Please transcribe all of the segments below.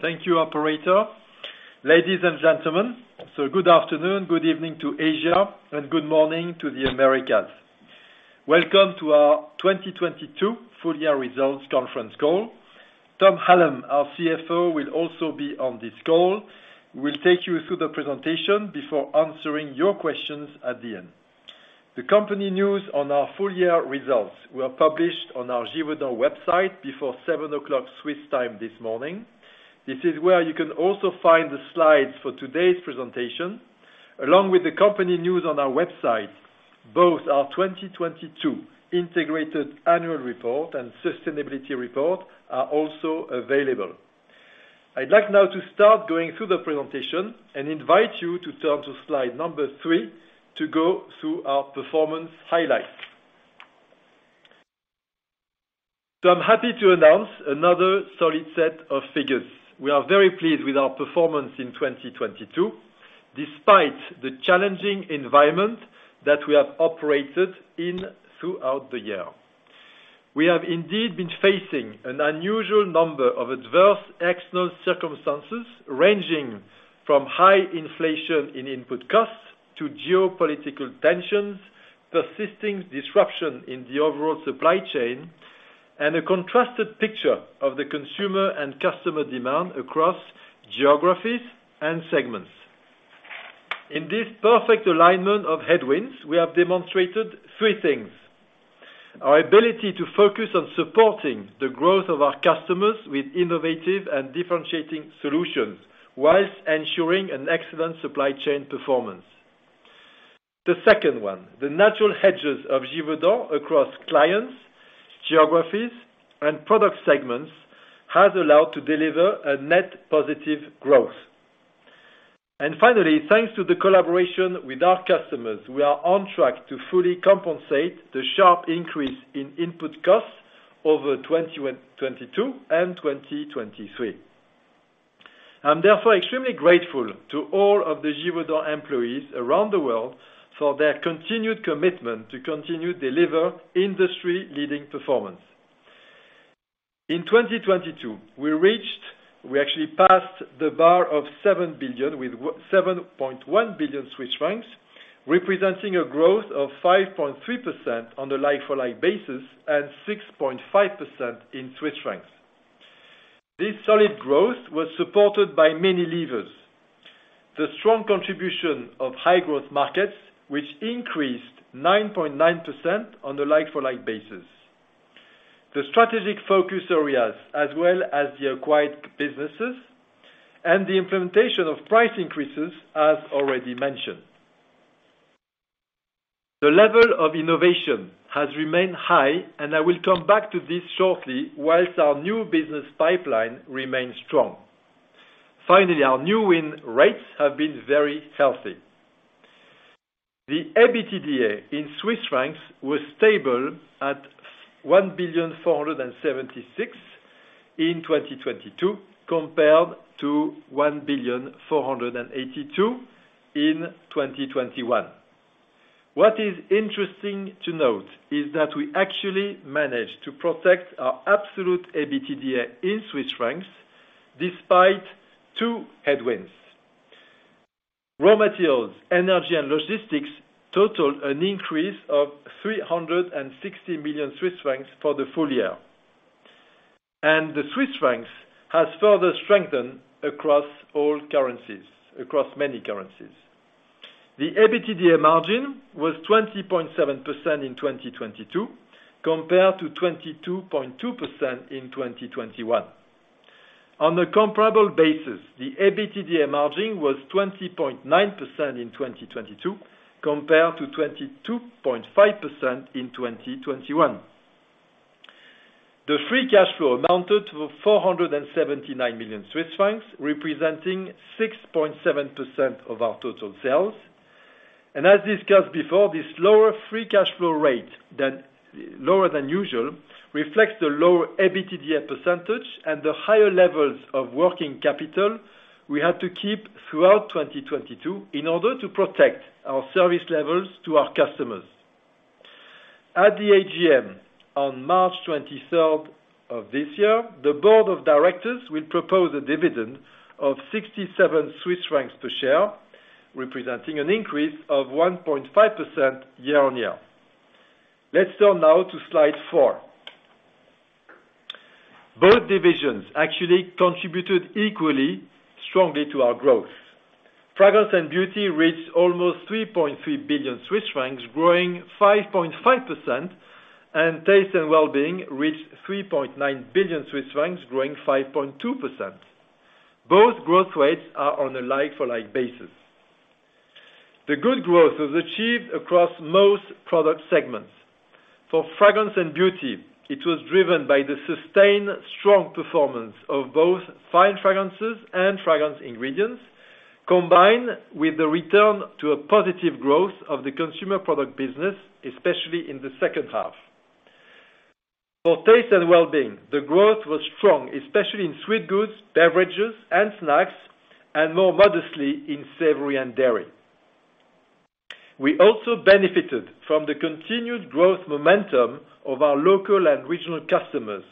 Thank you, operator. Ladies and gentlemen, good afternoon, good evening to Asia, and good morning to the Americas. Welcome to our 2022 full year results conference call. Tom Hallam, our CFO, will also be on this call. We'll take you through the presentation before answering your questions at the end. The company news on our full year results were published on our Givaudan website before 7 o'clock Swiss time this morning. This is where you can also find the slides for today's presentation, along with the company news on our website, both our 2022 integrated annual report and sustainability report are also available. I'd like now to start going through the presentation and invite you to turn to slide number three to go through our performance highlights. I'm happy to announce another solid set of figures. We are very pleased with our performance in 2022, despite the challenging environment that we have operated in throughout the year. We have indeed been facing an unusual number of adverse external circumstances, ranging from high inflation in input costs to geopolitical tensions, persisting disruption in the overall supply chain, and a contrasted picture of the consumer and customer demand across geographies and segments. In this perfect alignment of headwinds, we have demonstrated three things. Our ability to focus on supporting the growth of our customers with innovative and differentiating solutions whilst ensuring an excellent supply chain performance. The second one, the natural hedges of Givaudan across clients, geographies, and product segments, has allowed to deliver a net positive growth. Finally, thanks to the collaboration with our customers, we are on track to fully compensate the sharp increase in input costs over 2022 and 2023. I'm therefore extremely grateful to all of the Givaudan employees around the world for their continued commitment to continue deliver industry-leading performance. In 2022, We actually passed the bar of 7.1 billion Swiss francs, representing a growth of 5.3% on the like-for-like basis and 6.5% in CHF. This solid growth was supported by many levers. The strong contribution of high growth markets, which increased 9.9% on the like-for-like basis. The strategic focus areas, as well as the acquired businesses, and the implementation of price increases, as already mentioned. The level of innovation has remained high, and I will come back to this shortly, whilst our new business pipeline remains strong. Finally, our new win rates have been very healthy. The EBITDA in Swiss francs was stable at 1.476 billion in 2022, compared to 1.482 billion in 2021. What is interesting to note is that we actually managed to protect our absolute EBITDA in Swiss francs despite two headwinds. Raw materials, energy, and logistics totaled an increase of 360 million Swiss francs for the full year. The Swiss francs has further strengthened across all currencies, across many currencies. The EBITDA margin was 20.7% in 2022, compared to 22.2% in 2021. On a comparable basis, the EBITDA margin was 20.9% in 2022, compared to 22.5% in 2021. The free cash flow amounted to 479 million Swiss francs, representing 6.7% of our total sales. As discussed before, this lower free cash flow rate that, lower than usual, reflects the lower EBITDA% and the higher levels of working capital we had to keep throughout 2022 in order to protect our service levels to our customers. At the AGM on 23 March of this year, the board of directors will propose a dividend of 67 Swiss francs per share, representing an increase of 1.5% year-on-year. Let's turn now to slide 4. Both divisions actually contributed equally strongly to our growth. Fragrance & Beauty reached almost 3.3 billion Swiss francs, growing 5.5%, and Taste & Wellbeing reached 3.9 billion Swiss francs, growing 5.2%. Both growth rates are on a like-for-like basis. The good growth was achieved across most product segments. For Fragrance & Beauty, it was driven by the sustained strong performance of both Fine Fragrances and Fragrance Ingredients, combined with the return to a positive growth of the Consumer Products business, especially in the second half. For Taste & Wellbeing, the growth was strong, especially in sweet goods, beverages, and snacks, and more modestly in savory and dairy. We also benefited from the continued growth momentum of our local and regional customers,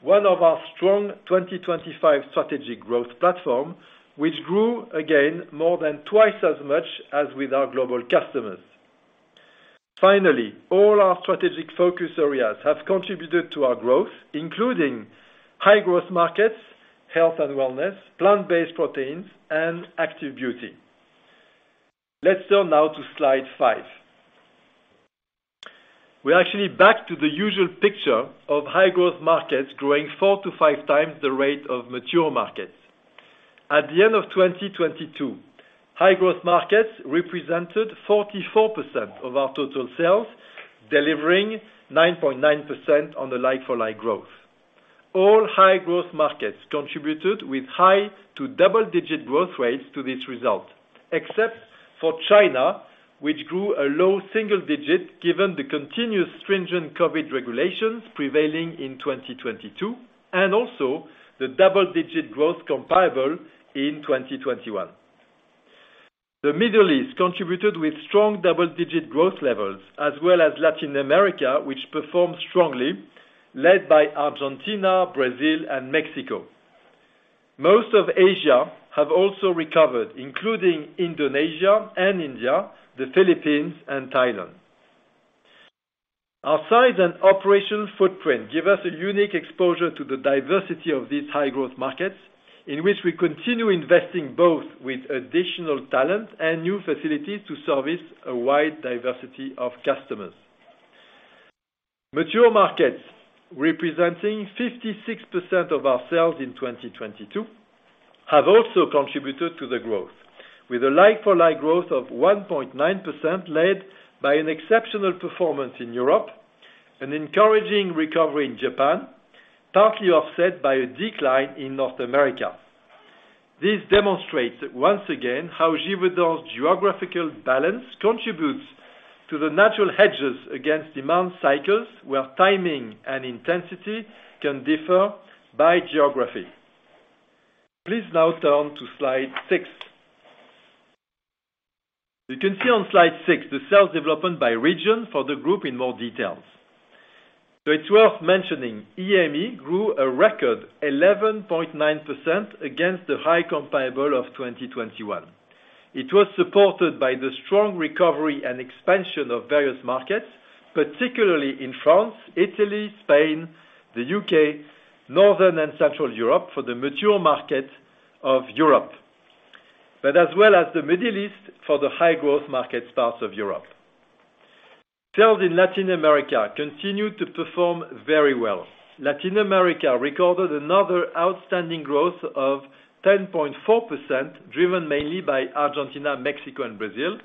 one of our strong 2025 strategic growth platform, which grew again more than 2 times as much as with our global customers. Finally, all our strategic focus areas have contributed to our growth, including high growth markets, health and wellness, plant-based proteins, and Active Beauty. Let's turn now to slide 5. We're actually back to the usual picture of high growth markets growing four to five times the rate of mature markets. At the end of 2022, high growth markets represented 44% of our total sales, delivering 9.9% on the like-for-like growth. All high growth markets contributed with high to double-digit growth rates to this result, except for China, which grew a low single digit, given the continuous stringent COVID regulations prevailing in 2022, and also the double-digit growth comparable in 2021. The Middle East contributed with strong double-digit growth levels, as well as Latin America, which performed strongly, led by Argentina, Brazil, and Mexico. Most of Asia have also recovered, including Indonesia, and India, the Philippines, and Thailand. Our size and operational footprint give us a unique exposure to the diversity of these high growth markets, in which we continue investing both with additional talent and new facilities to service a wide diversity of customers. Mature markets, representing 56% of our sales in 2022, have also contributed to the growth, with a like-for-like growth of 1.9% led by an exceptional performance in Europe, an encouraging recovery in Japan, partly offset by a decline in North America. This demonstrates once again how Givaudan's geographical balance contributes to the natural hedges against demand cycles, where timing and intensity can differ by geography. Please now turn to slide 6. You can see on slide 6 the sales development by region for the group in more details. It's worth mentioning, EMEA grew a record 11.9% against the high comparable of 2021. It was supported by the strong recovery and expansion of various markets, particularly in France, Italy, Spain, the U.K., Northern and Central Europe for the mature market of Europe, as well as the Middle East for the high growth market parts of Europe. Sales in Latin America continued to perform very well. Latin America recorded another outstanding growth of 10.4%, driven mainly by Argentina, Mexico, and Brazil.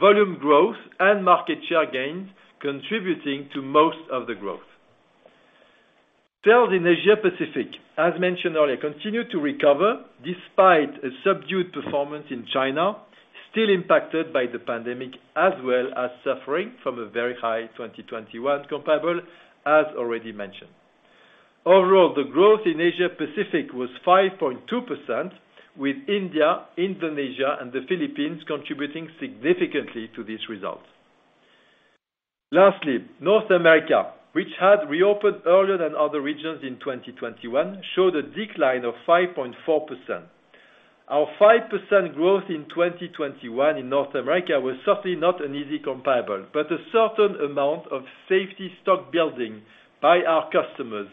Volume growth and market share gains contributing to most of the growth. Sales in Asia-Pacific, as mentioned earlier, continued to recover despite a subdued performance in China, still impacted by the pandemic, as well as suffering from a very high 2021 comparable, as already mentioned. Overall, the growth in Asia-Pacific was 5.2%, with India, Indonesia, and the Philippines contributing significantly to this result. Lastly, North America, which had reopened earlier than other regions in 2021, showed a decline of 5.4%. Our 5% growth in 2021 in North America was certainly not an easy comparable, but a certain amount of safety stock building by our customers,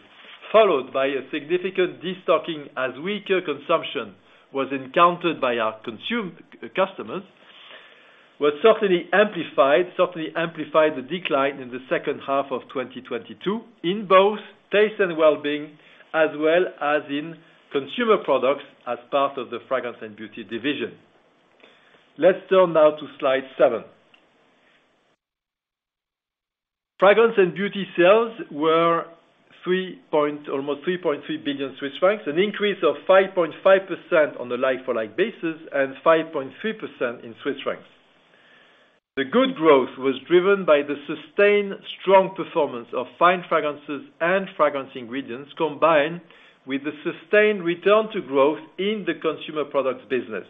followed by a significant de-stocking as weaker consumption was encountered by our customers, was certainly amplified the decline in the second half of 2022 in both Taste & Wellbeing, as well as in Consumer Products as part of the Fragrance & Beauty division. Let's turn now to slide 7. Fragrance & Beauty sales were almost 3.3 billion Swiss francs, an increase of 5.5% on the like-for-like basis, and 5.3% in Swiss francs. The good growth was driven by the sustained strong performance of Fine Fragrances and Fragrance Ingredients, combined with the sustained return to growth in the Consumer Products business.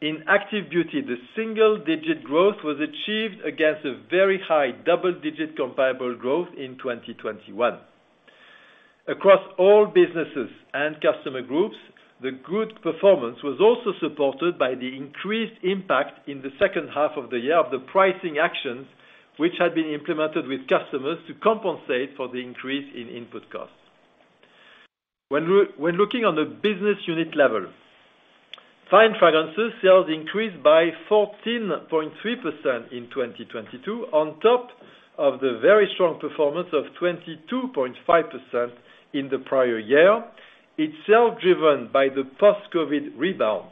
In Active Beauty, the single-digit growth was achieved against a very high double-digit comparable growth in 2021. Across all businesses and customer groups, the good performance was also supported by the increased impact in the second half of the year of the pricing actions, which had been implemented with customers to compensate for the increase in input costs. When looking on the business unit level, Fine Fragrances sales increased by 14.3% in 2022, on top of the very strong performance of 22.5% in the prior year. It's sales driven by the post-COVID rebound.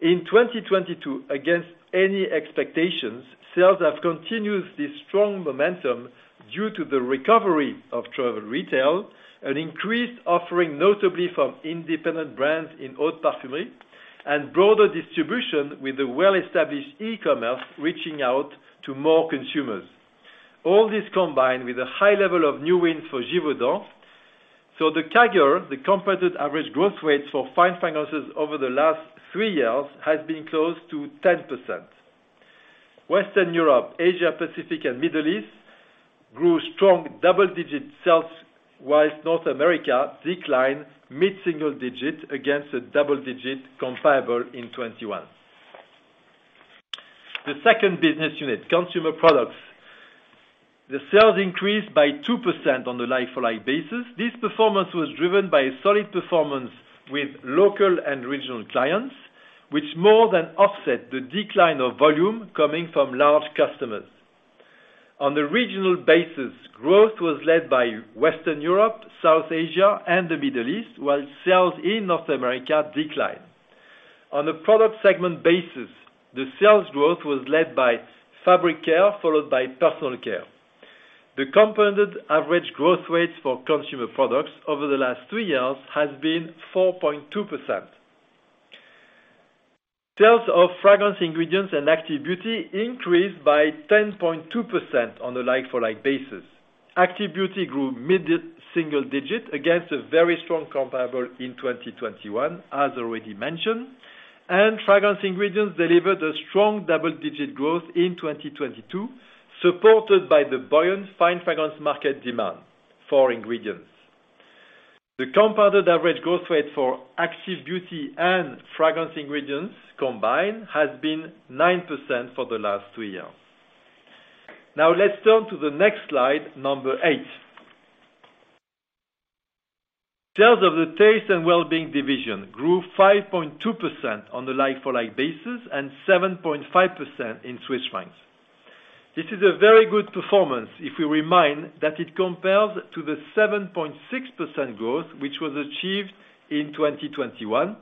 In 2022, against any expectations, sales have continued this strong momentum due to the recovery of travel retail, an increased offering notably from independent brands in haute parfumerie, and broader distribution with the well-established e-commerce reaching out to more consumers. All this combined with a high level of new wins for Givaudan. The CAGR, the compounded average growth rate for Fine Fragrances over the last three years has been close to 10%. Western Europe, Asia Pacific, and Middle East grew strong double digits sales, whilst North America declined mid-single digit against a double digit comparable in 2021. The second business unit, Consumer Products, the sales increased by 2% on the like-for-like basis. This performance was driven by a solid performance with local and regional clients, which more than offset the decline of volume coming from large customers. On the regional basis, growth was led by Western Europe, South Asia and the Middle East, while sales in North America declined. On a product segment basis, the sales growth was led by fabric care, followed by personal care. The compounded average growth rates for Consumer Products over the last 3 years has been 4.2%. Sales of Fragrance Ingredients and Active Beauty increased by 10.2% on a like-for-like basis. Active Beauty grew mid-single digit against a very strong comparable in 2021, as already mentioned, and Fragrance Ingredients delivered a strong double-digit growth in 2022, supported by the buoyant Fine Fragrances market demand for ingredients. The compounded average growth rate for Active Beauty and Fragrance Ingredients combined has been 9% for the last three years. Now let's turn to the next slide, number 8. Sales of the Taste & Wellbeing division grew 5.2% on a like-for-like basis, 7.5% in CHF. This is a very good performance if we remind that it compares to the 7.6% growth which was achieved in 2021,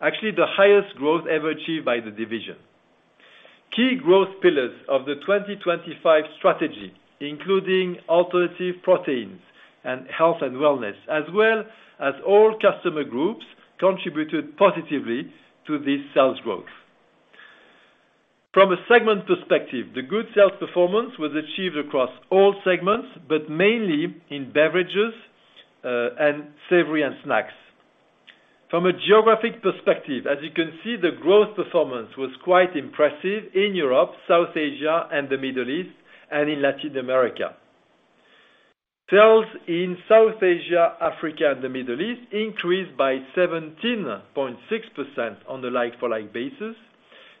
actually the highest growth ever achieved by the division. Key growth pillars of the 2025 Strategy, including alternative proteins and health and wellness, as well as all customer groups, contributed positively to this sales growth. From a segment perspective, the good sales performance was achieved across all segments, but mainly in beverages, and savory and snacks. From a geographic perspective, as you can see, the growth performance was quite impressive in Europe, South Asia and the Middle East, and in Latin America. Sales in South Asia, Africa, and the Middle East increased by 17.6% on the like-for-like basis.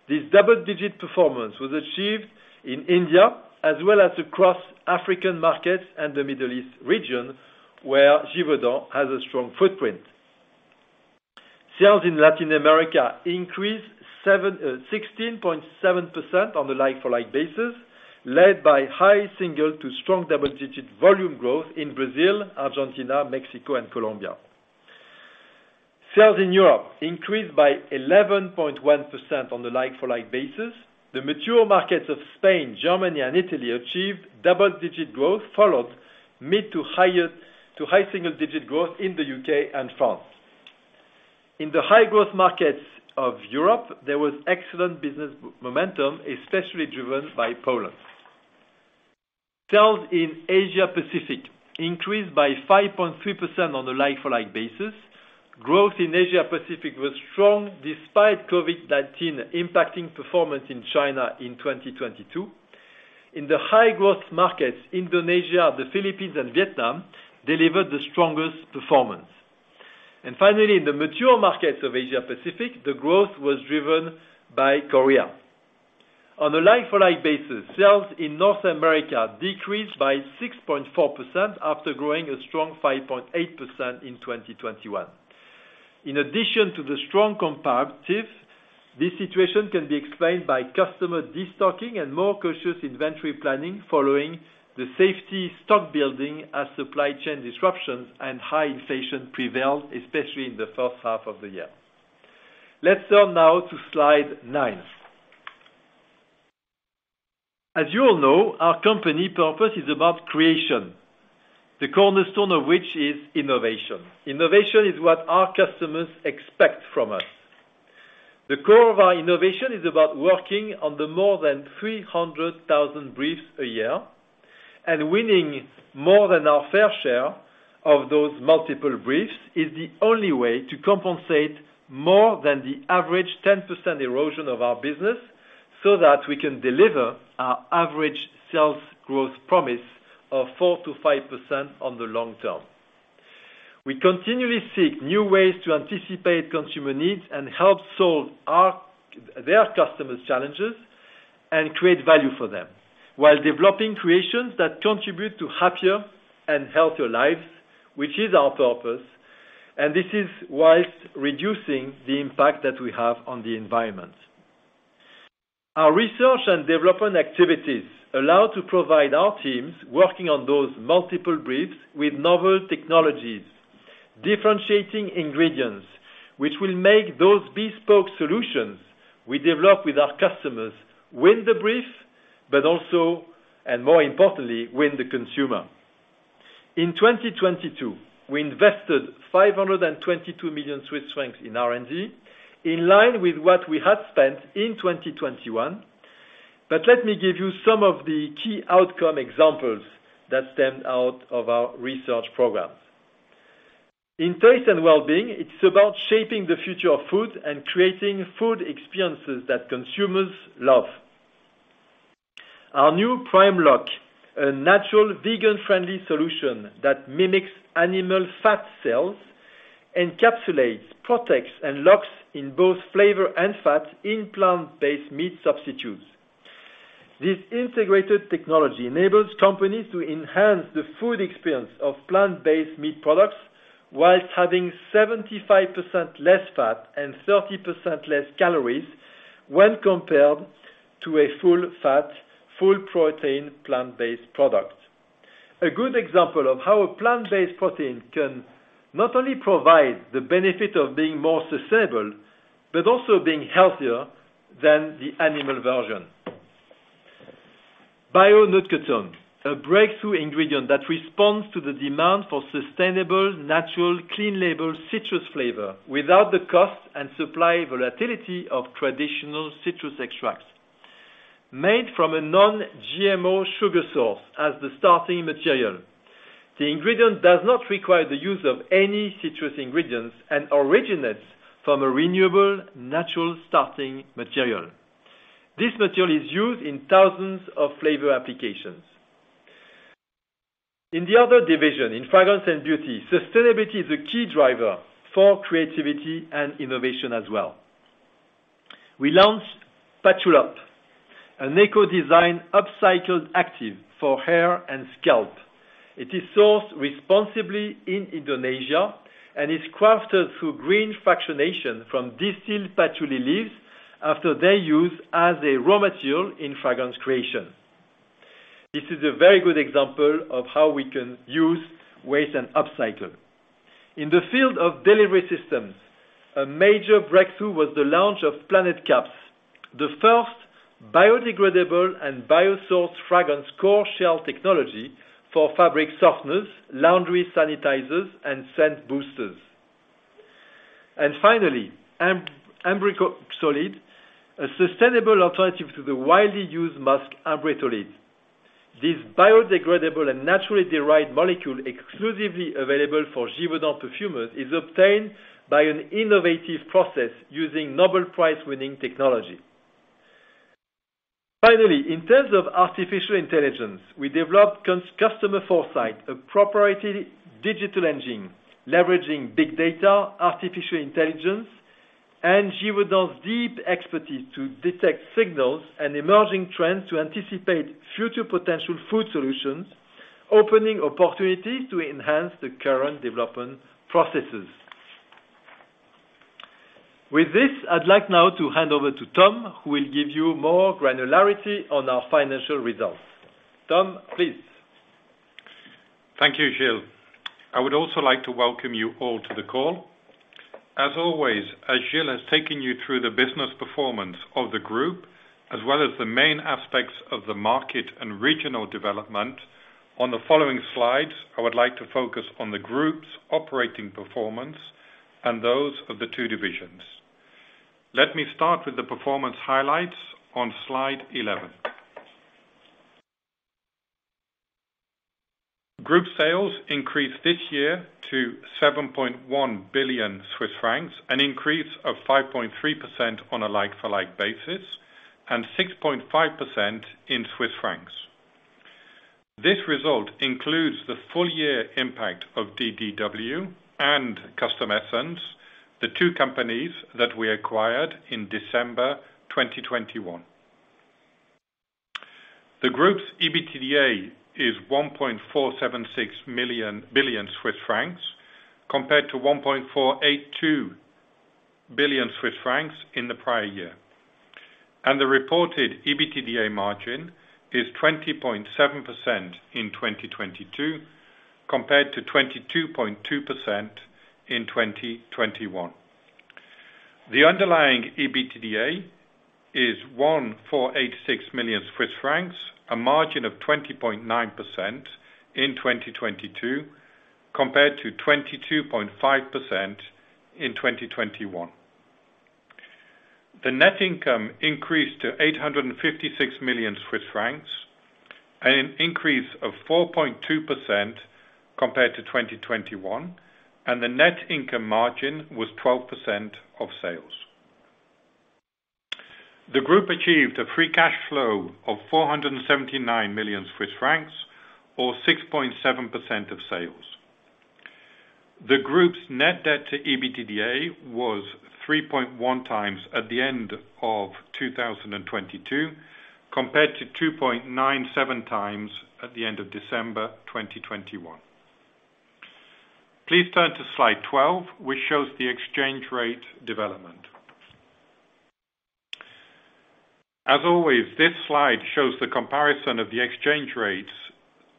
This double-digit performance was achieved in India as well as across African markets and the Middle East region, where Givaudan has a strong footprint. Sales in Latin America increased 16.7% on the like-for-like basis, led by high single to strong double-digit volume growth in Brazil, Argentina, Mexico and Colombia. Sales in Europe increased by 11.1% on the like-for-like basis. The mature markets of Spain, Germany and Italy achieved double-digit growth, followed mid to high single digit growth in the U.K. and France. In the high growth markets of Europe, there was excellent business momentum, especially driven by Poland. Sales in Asia-Pacific increased by 5.3% on the like-for-like basis. Growth in Asia-Pacific was strong despite COVID-19 impacting performance in China in 2022. In the high growth markets, Indonesia, the Philippines and Vietnam delivered the strongest performance. Finally, in the mature markets of Asia-Pacific, the growth was driven by Korea. On a like-for-like basis, sales in North America decreased by 6.4% after growing a strong 5.8% in 2021. In addition to the strong comparative, this situation can be explained by customer destocking and more cautious inventory planning following the safety stock building as supply chain disruptions and high inflation prevailed, especially in the first half of the year. Let's turn now to slide 9. As you all know, our company purpose is about creation, the cornerstone of which is innovation. Innovation is what our customers expect from us. The core of our innovation is about working on the more than 300,000 briefs a year. Winning more than our fair share of those multiple briefs is the only way to compensate more than the average 10% erosion of our business, so that we can deliver our average sales growth promise of 4%–5% on the long term. We continually seek new ways to anticipate consumer needs and help solve their customers challenges and create value for them, while developing creations that contribute to happier and healthier lives, which is our purpose. This is whilst reducing the impact that we have on the environment. Our research and development activities allow to provide our teams working on those multiple briefs with novel technologies, differentiating ingredients, which will make those bespoke solutions we develop with our customers, win the brief, but also, and more importantly, win the consumer. In 2022, we invested 522 million Swiss francs in R&D, in line with what we had spent in 2021. Let me give you some of the key outcome examples that stemmed out of our research programs. In Taste & Wellbeing, it's about shaping the future of food and creating food experiences that consumers love. Our new PrimeLock+, a natural vegan-friendly solution that mimics animal fat cells, encapsulates, protects, and locks in both flavor and fat in plant-based meat substitutes. This integrated technology enables companies to enhance the food experience of plant-based meat products whilst having 75% less fat and 30% less calories when compared to a full fat, full protein plant-based product. A good example of how a plant-based protein can not only provide the benefit of being more sustainable, but also being healthier than the animal version. BioNootkatone, a breakthrough ingredient that responds to the demand for sustainable, natural, clean label citrus flavor without the cost and supply volatility of traditional citrus extracts. Made from a non-GMO sugar source as the starting material, the ingredient does not require the use of any citrus ingredients and originates from a renewable, natural starting material. This material is used in thousands of flavor applications. In the other division, in Fragrance & Beauty, sustainability is a key driver for creativity and innovation as well. We launched Patchoul'Up, an eco-design upcycled active for hair and scalp. It is sourced responsibly in Indonesia and is crafted through green fractionation from distilled patchouli leaves after they're used as a raw material in fragrance creation. This is a very good example of how we can use waste and upcycle. In the field of delivery systems, a major breakthrough was the launch of PlanetCaps, the first biodegradable and bio-sourced fragrance core-shell technology for fabric softeners, laundry sanitizers, and scent boosters. Finally, Ambrexolide, a sustainable alternative to the widely used musk Ambrettolide. This biodegradable and naturally derived molecule, exclusively available for Givaudan perfumers, is obtained by an innovative process using Nobel Prize-winning technology. Finally, in terms of artificial intelligence, we developed Customer Foresight, a proprietary digital engine leveraging big data, artificial intelligence, and Givaudan's deep expertise to detect signals and emerging trends to anticipate future potential food solutions, opening opportunities to enhance the current development processes. With this, I'd like now to hand over to Tom, who will give you more granularity on our financial results. Tom, please. Thank you, Gilles. I would also like to welcome you all to the call. As always, as Gilles has taken you through the business performance of the group, as well as the main aspects of the market and regional development, on the following slides, I would like to focus on the group's operating performance and those of the two divisions. Let me start with the performance highlights on slide 11. Group sales increased this year to 7.1 billion Swiss francs, an increase of 5.3% on a like-for-like basis and 6.5% in Swiss francs. This result includes the full year impact of DDW and Custom Essence, the two companies that we acquired in December 2021. The group's EBITDA is 1.476 billion Swiss francs, compared to 1.482 billion Swiss francs in the prior year. The reported EBITDA margin is 20.7% in 2022, compared to 22.2% in 2021. The underlying EBITDA is 1,486 million Swiss francs, a margin of 20.9% in 2022, compared to 22.5% in 2021. The net income increased to 856 million Swiss francs, an increase of 4.2% compared to 2021, and the net income margin was 12% of sales. The group achieved a free cash flow of 479 million Swiss francs, or 6.7% of sales. The group's net debt to EBITDA was 3.1 times at the end of 2022, compared to 2.97 times at the end of December 2021. Please turn to slide 12, which shows the exchange rate development. As always, this slide shows the comparison of the exchange rates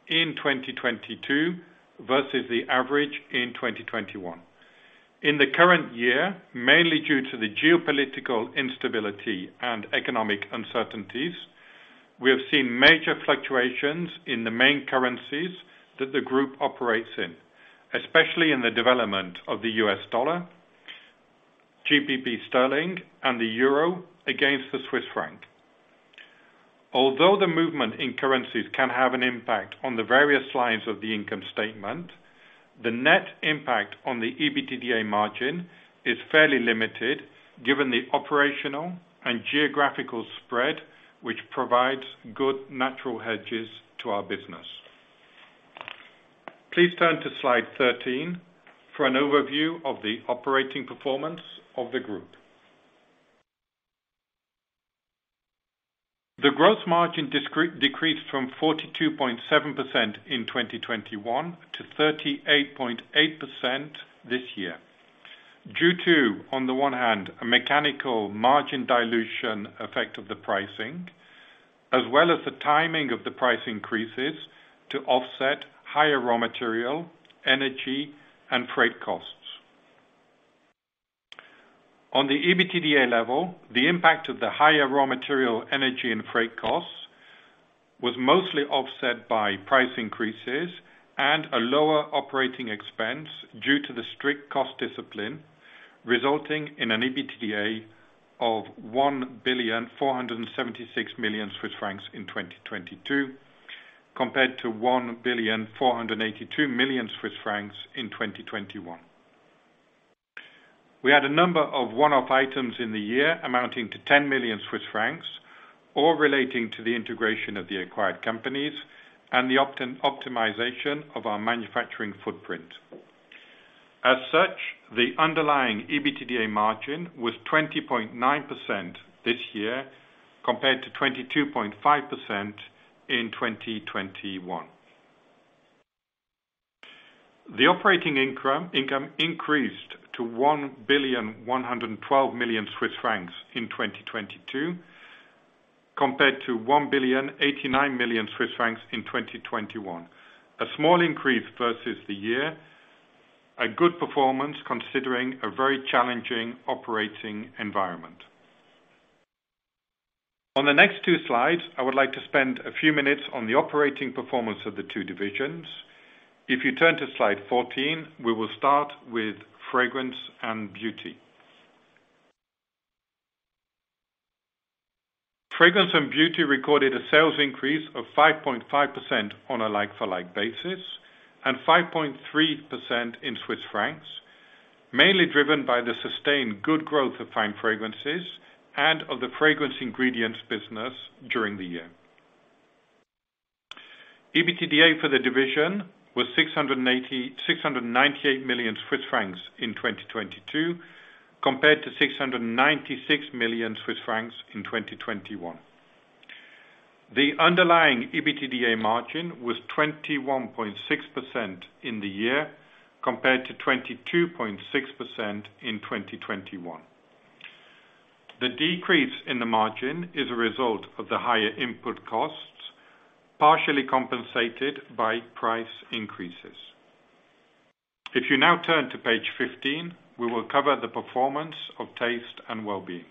in 2022 versus the average in 2021. In the current year, mainly due to the geopolitical instability and economic uncertainties, we have seen major fluctuations in the main currencies that the group operates in, especially in the development of the U.S. dollar, GBP sterling and the euro against the Swiss franc. Although the movement in currencies can have an impact on the various lines of the income statement, the net impact on the EBITDA margin is fairly limited given the operational and geographical spread, which provides good natural hedges to our business. Please turn to slide 13 for an overview of the operating performance of the group. The growth margin decreased from 42.7% in 2021 to 38.8% this year, due to, on the one hand, a mechanical margin dilution effect of the pricing, as well as the timing of the price increases to offset higher raw material, energy, and freight costs. On the EBITDA level, the impact of the higher raw material, energy, and freight costs was mostly offset by price increases and a lower operating expense due to the strict cost discipline, resulting in an EBITDA of 1.476 billion in 2022 compared to 1.482 billion in 2021. We had a number of one-off items in the year amounting to 10 million Swiss francs, all relating to the integration of the acquired companies and the optimization of our manufacturing footprint. As such, the underlying EBITDA margin was 20.9% this year, compared to 22.5% in 2021. The operating income increased to 1.112 billion in 2022 compared to 1.089 billion in 2021. A small increase versus the year. A good performance considering a very challenging operating environment. On the next two slides, I would like to spend a few minutes on the operating performance of the two divisions. If you turn to slide 14, we will start with Fragrance & Beauty. Fragrance & Beauty recorded a sales increase of 5.5% on a like-for-like basis, and 5.3% in Swiss francs, mainly driven by the sustained good growth of Fine Fragrances and of the Fragrance Ingredients business during the year. EBITDA for the division was 698 million Swiss francs in 2022 compared to 696 million Swiss francs in 2021. The underlying EBITDA margin was 21.6% in the year compared to 22.6% in 2021. The decrease in the margin is a result of the higher input costs, partially compensated by price increases. If you now turn to page 15, we will cover the performance of Taste & Wellbeing.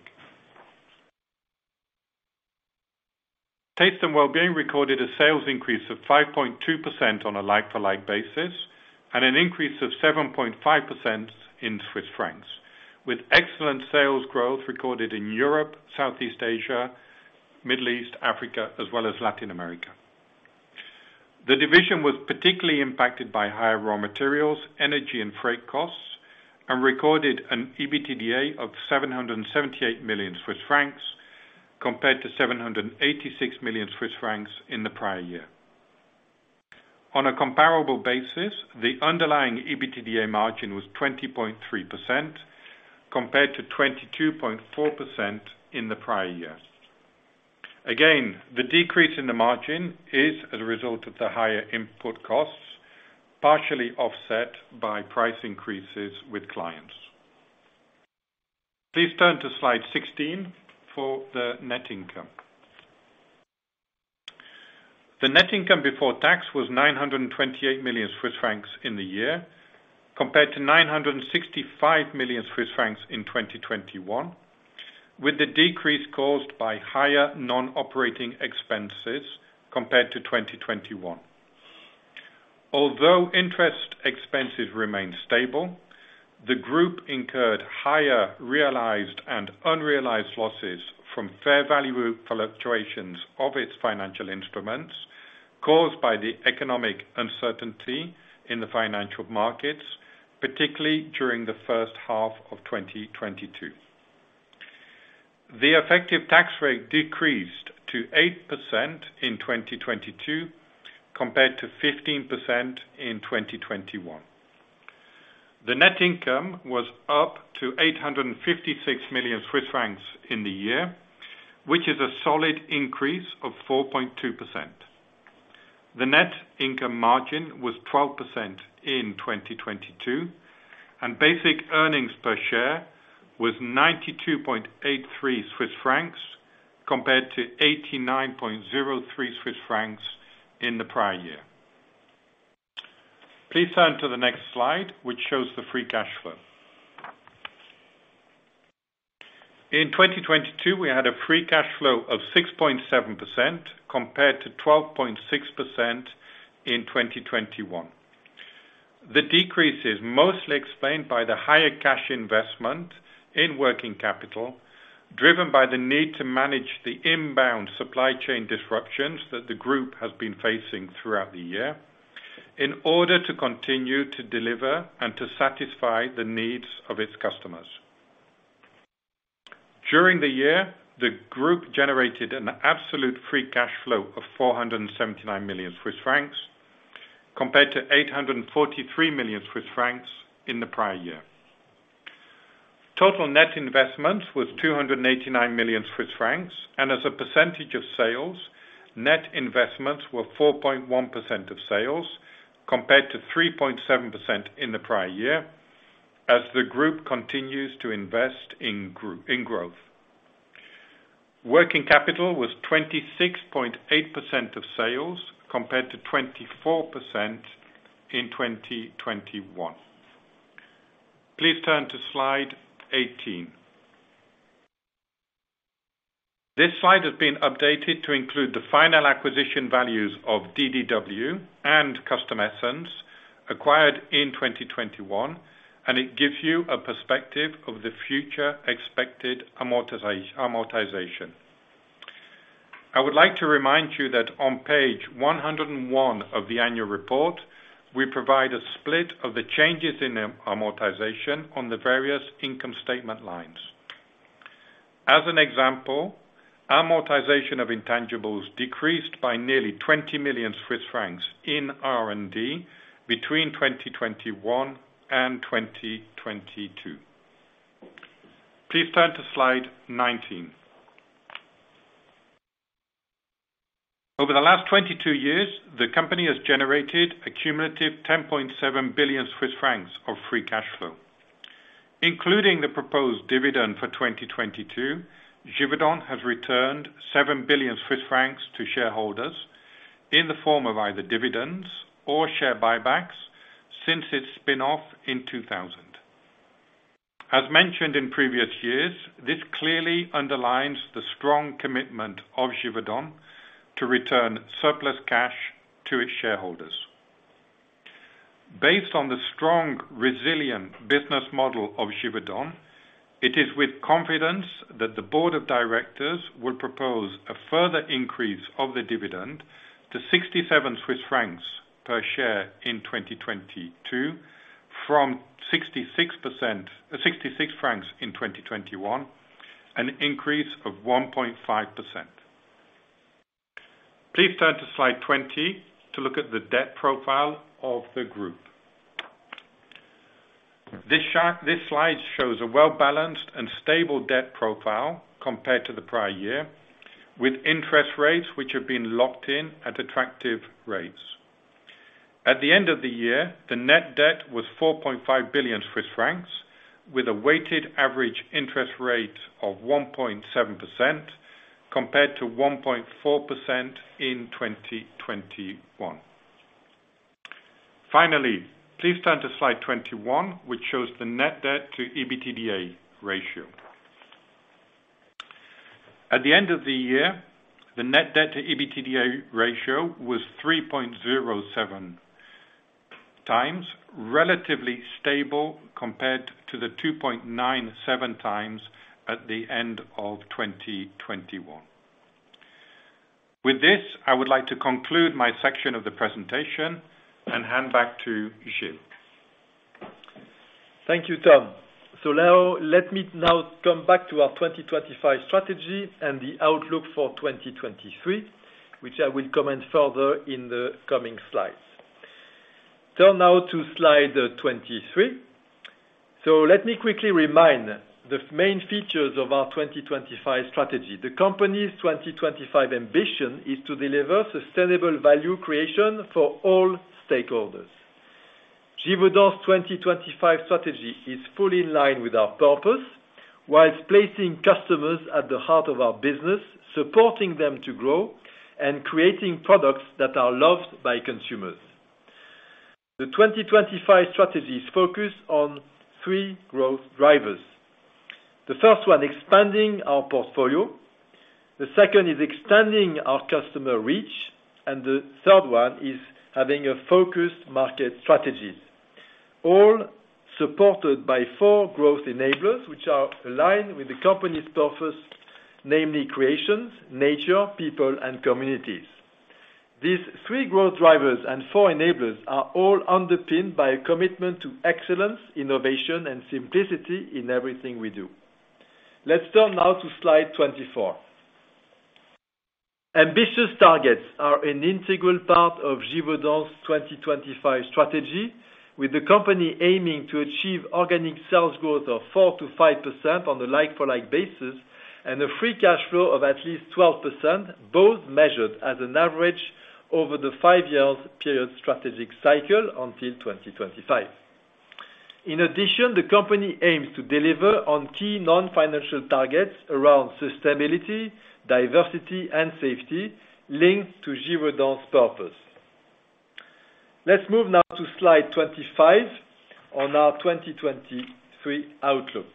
Taste & Wellbeing recorded a sales increase of 5.2% on a like-for-like basis, and an increase of 7.5% in Swiss francs, with excellent sales growth recorded in Europe, Southeast Asia, Middle East, Africa, as well as Latin America. The division was particularly impacted by higher raw materials, energy and freight costs, recorded an EBITDA of 778 million Swiss francs compared to 786 million Swiss francs in the prior year. On a comparable basis, the underlying EBITDA margin was 20.3% compared to 22.4% in the prior year. The decrease in the margin is as a result of the higher input costs, partially offset by price increases with clients. Please turn to slide 16 for the net income. The net income before tax was 928 million Swiss francs in the year compared to 965 million Swiss francs in 2021, with the decrease caused by higher non-operating expenses compared to 2021. Although interest expenses remained stable, the group incurred higher realized and unrealized losses from fair value fluctuations of its financial instruments caused by the economic uncertainty in the financial markets, particularly during the first half of 2022. The effective tax rate decreased to 8% in 2022 compared to 15% in 2021. The net income was up to 856 million Swiss francs in the year, which is a solid increase of 4.2%. The net income margin was 12% in 2022, and basic earnings per share was 92.83 Swiss francs compared to 89.03 Swiss francs in the prior year. Please turn to the next slide, which shows the free cash flow. In 2022, we had a free cash flow of 6.7% compared to 12.6% in 2021. The decrease is mostly explained by the higher cash investment in working capital, driven by the need to manage the inbound supply chain disruptions that the group has been facing throughout the year in order to continue to deliver and to satisfy the needs of its customers. During the year, the group generated an absolute free cash flow of 479 million Swiss francs compared to 843 million Swiss francs in the prior year. Total net investment was 289 million Swiss francs, and as a percentage of sales, net investments were 4.1% of sales compared to 3.7% in the prior year as the group continues to invest in growth. Working capital was 26.8% of sales compared to 24% in 2021. Please turn to slide 18. This slide has been updated to include the final acquisition values of DDW and Custom Essence acquired in 2021. It gives you a perspective of the future expected amortization. I would like to remind you that on page 101 of the annual report, we provide a split of the changes in amortization on the various income statement lines. As an example, amortization of intangibles decreased by nearly 20 million Swiss francs in R&D between 2021 and 2022. Please turn to slide 19. Over the last 22 years, the company has generated a cumulative 10.7 billion Swiss francs of free cash flow. Including the proposed dividend for 2022, Givaudan has returned 7 billion Swiss francs to shareholders in the form of either dividends or share buybacks since its spin-off in 2000. As mentioned in previous years, this clearly underlines the strong commitment of Givaudan to return surplus cash to its shareholders. Based on the strong, resilient business model of Givaudan, it is with confidence that the board of directors will propose a further increase of the dividend to 67 Swiss francs per share in 2022 from 66 in 2021, an increase of 1.5%. Please turn to slide 20 to look at the debt profile of the group. This slide shows a well-balanced and stable debt profile compared to the prior year with interest rates, which have been locked in at attractive rates. At the end of the year, the net debt was 4.5 billion Swiss francs, with a weighted average interest rate of 1.7% compared to 1.4% in 2021. Finally, please turn to slide 21, which shows the net debt to EBITDA ratio. At the end of the year, the net debt to EBITDA ratio was 3.07 times, relatively stable compared to the 2.97 times at the end of 2021. With this, I would like to conclude my section of the presentation and hand back to Gilles. Thank you, Tom. Now let me now come back to our 2025 Strategy and the outlook for 2023, which I will comment further in the coming slides. Turn now to slide 23. Let me quickly remind the main features of our 2025 Strategy. The company's 2025 ambition is to deliver sustainable value creation for all stakeholders. Givaudan's 2025 Strategy is fully in line with our purpose whilst placing customers at the heart of our business, supporting them to grow and creating products that are loved by consumers. The 2025 Strategy is focused on three growth drivers. The first one, expanding our portfolio, the second is extending our customer reach, and the third one is having a focused market strategies. All supported by four growth enablers which are aligned with the company's purpose, namely creations, nature, people, and communities. These three growth drivers and four enablers are all underpinned by a commitment to excellence, innovation, and simplicity in everything we do. Let's turn now to slide 24. Ambitious targets are an integral part of Givaudan's 2025 Strategy with the company aiming to achieve organic sales growth of 4%–5% on a like-for-like basis, and a free cash flow of at least 12%, both measured as an average over the five-year strategic cycle until 2025. The company aims to deliver on key non-financial targets around sustainability, diversity, and safety linked to Givaudan's purpose. Let's move now to slide 25 on our 2023 outlook.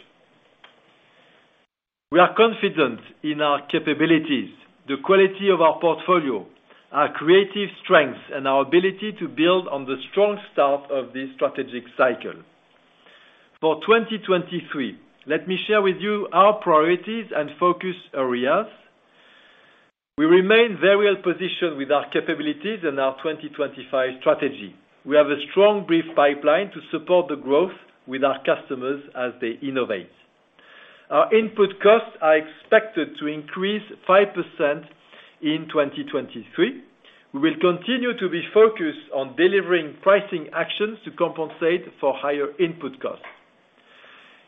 We are confident in our capabilities, the quality of our portfolio, our creative strengths, and our ability to build on the strong start of this strategic cycle. For 2023, let me share with you our priorities and focus areas. We remain very well positioned with our capabilities and our 2025 Strategy. We have a strong brief pipeline to support the growth with our customers as they innovate. Our input costs are expected to increase 5% in 2023. We will continue to be focused on delivering pricing actions to compensate for higher input costs.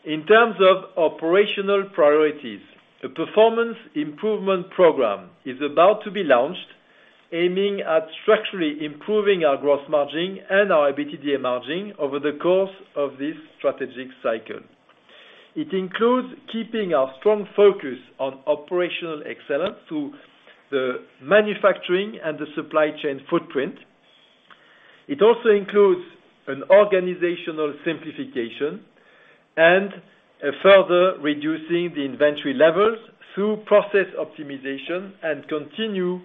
In terms of operational priorities, a performance improvement program is about to be launched, aiming at structurally improving our gross margin and our EBITDA margin over the course of this strategic cycle. It includes keeping our strong focus on operational excellence through the manufacturing and the supply chain footprint. It also includes an organizational simplification and further reducing the inventory levels through process optimization and continue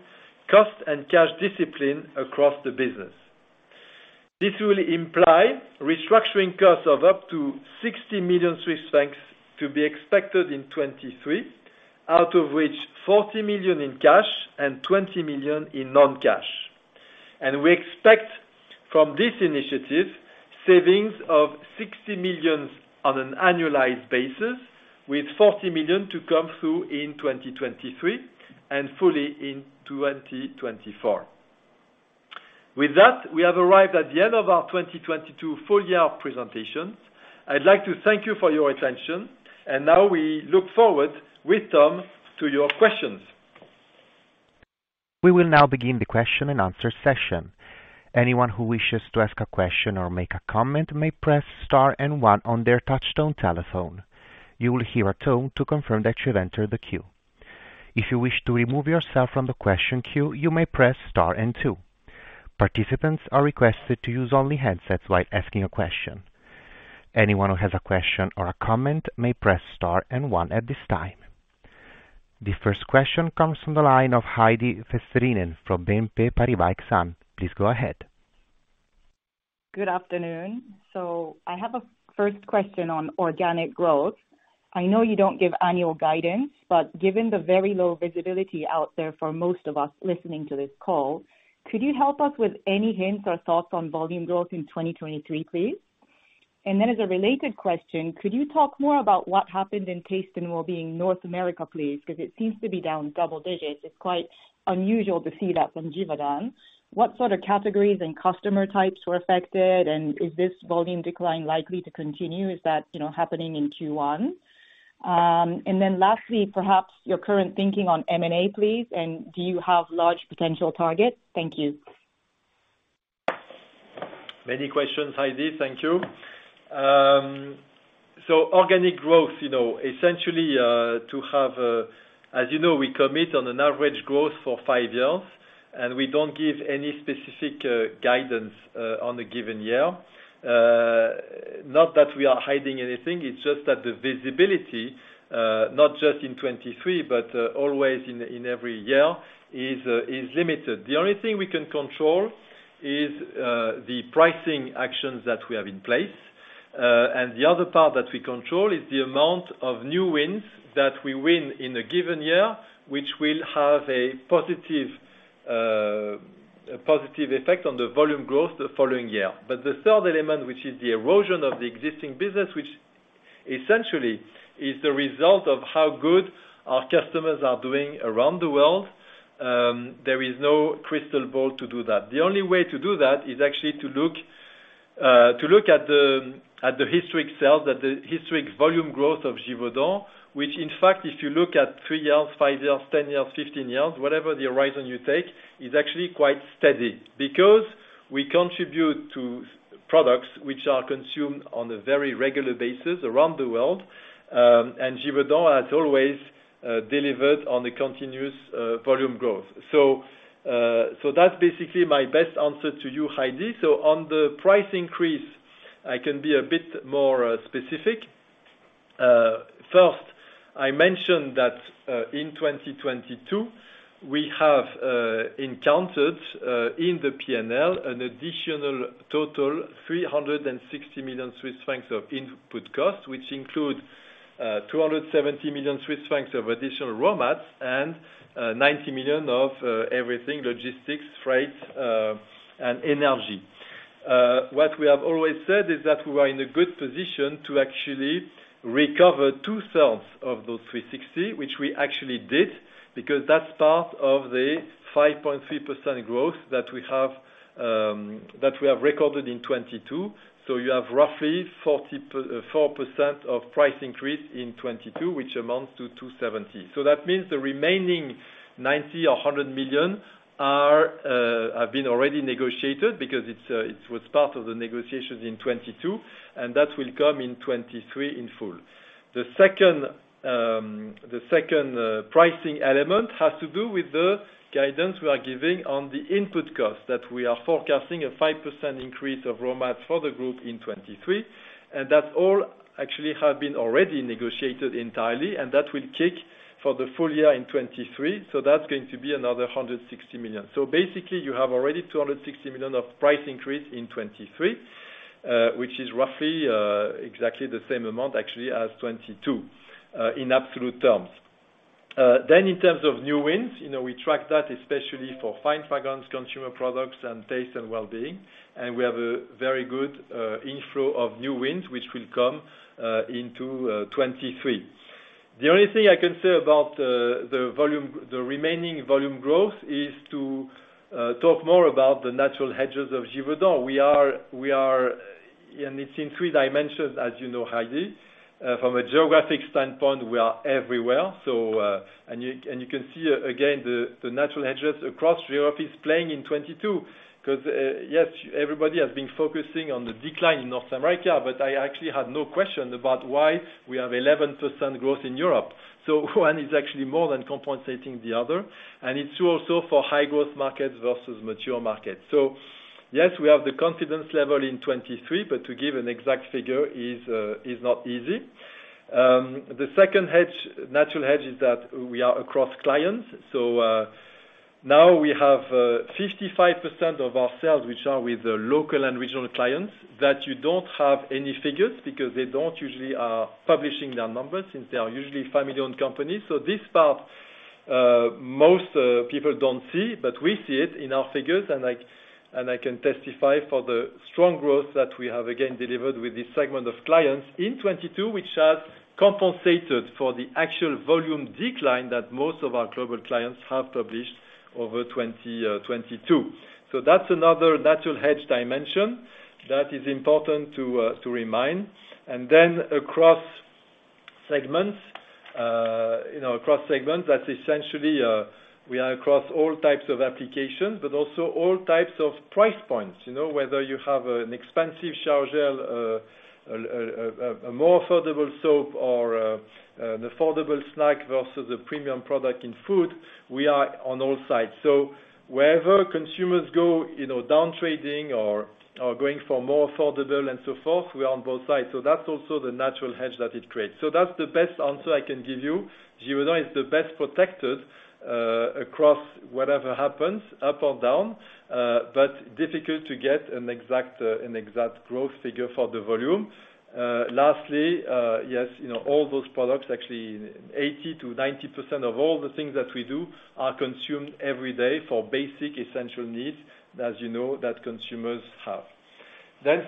cost and cash discipline across the business. This will imply restructuring costs of up to 60 million Swiss francs to be expected in 2023, out of which 40 million in cash and 20 million in non-cash. We expect from this initiative savings of 60 million on an annualized basis, with 40 million to come through in 2023 and fully in 2024. With that, we have arrived at the end of our 2022 full year presentation. I'd like to thank you for your attention. Now we look forward with Tom to your questions. We will now begin the question and answer session. Anyone who wishes to ask a question or make a comment may press star and one on their touchtone telephone. You will hear a tone to confirm that you've entered the queue. If you wish to remove yourself from the question queue, you may press Star and Two. Participants are requested to use only headsets while asking a question. Anyone who has a question or a comment may press star and one at this time. The first question comes from the line of Heidi Vesterinen from BNP Paribas, please go ahead. Good afternoon. I have a first question on organic growth. I know you don't give annual guidance, but given the very low visibility out there for most of us listening to this call, could you help us with any hints or thoughts on volume growth in 2023, please? As a related question, could you talk more about what happened in Taste & Wellbeing North America, please? Because it seems to be down double digits. It's quite unusual to see that from Givaudan. What sort of categories and customer types were affected, and is this volume decline likely to continue? Is that, you know, happening in Q1? Lastly, perhaps your current thinking on M&A, please. Do you have large potential targets? Thank you. Many questions, Heidi. Thank you. Organic growth, you know, essentially, to have, as you know, we commit on an average growth for 5 years, and we don't give any specific guidance on a given year. Not that we are hiding anything, it's just that the visibility, not just in 23, but always in every year is limited. The only thing we can control is the pricing actions that we have in place. The other part that we control is the amount of new wins that we win in a given year, which will have a positive effect on the volume growth the following year. The third element, which is the erosion of the existing business, which essentially is the result of how good our customers are doing around the world, there is no crystal ball to do that. The only way to do that is actually to look, to look at the, at the historic sales, at the historic volume growth of Givaudan, which in fact, if you look at 3 years, 5 years, 10 years, 15 years, whatever the horizon you take, is actually quite steady. We contribute to products which are consumed on a very regular basis around the world, and Givaudan has always delivered on the continuous volume growth. That's basically my best answer to you, Heidi. On the price increase, I can be a bit more specific. First, I mentioned that in 2022, we have encountered in the P&L an additional total 360 million Swiss francs of input costs, which include 270 million Swiss francs of additional raw mats and 90 million of everything, logistics, freight, and energy. What we have always said is that we are in a good position to actually recover two-thirds of those 360, which we actually did, because that's part of the 5.3% growth that we have recorded in 2022. You have roughly 4% of price increase in 2022, which amounts to 270. That means the remaining 90 million or 100 million have been already negotiated because it was part of the negotiations in 2022, and that will come in 2023 in full. The second, the second pricing element has to do with the guidance we are giving on the input costs that we are forecasting a 5% increase of raw mats for the group in 2023. That all actually have been already negotiated entirely, and that will kick for the full year in 2023. That's going to be another 160 million. Basically you have already 260 million of price increase in 2023, which is roughly exactly the same amount actually as 2022 in absolute terms. In terms of new wins, you know, we track that especially for Fine Fragrances, Consumer Products and Taste & Wellbeing, and we have a very good inflow of new wins, which will come into 2023. The only thing I can say about the remaining volume growth is to talk more about the natural hedges of Givaudan. We are. It's in three dimensions, as you know, Heidi. From a geographic standpoint, we are everywhere. You can see again the natural hedges across Europe is playing in 2022 because, yes, everybody has been focusing on the decline in North America, but I actually had no question about why we have 11% growth in Europe. One is actually more than compensating the other, and it's true also for high growth markets versus mature markets. Yes, we have the confidence level in 2023, but to give an exact figure is not easy. The second hedge, natural hedge is that we are across clients. Now we have 55% of our sales, which are with the local and regional clients that you don't have any figures because they don't usually are publishing their numbers since they are usually family-owned companies. This part most people don't see, but we see it in our figures, and I can testify for the strong growth that we have again delivered with this segment of clients in 2022, which has compensated for the actual volume decline that most of our global clients have published over 2022. That's another natural hedge dimension that is important to remind. Across segments, you know, across segments, that's essentially, we are across all types of applications, but also all types of price points. You know, whether you have an expensive shower gel, a more affordable soap or an affordable snack versus a premium product in food, we are on all sides. Wherever consumers go, you know, down trading or going for more affordable and so forth, we are on both sides. That's also the natural hedge that it creates. That's the best answer I can give you. Givaudan is the best protected across whatever happens up or down, but difficult to get an exact an exact growth figure for the volume. Lastly, yes, you know, all those products, actually 80%-90% of all the things that we do are consumed every day for basic essential needs, as you know, that consumers have.